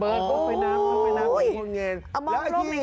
เอาไปน้ำเอาไปน้ำเอาอีกกรงเงียน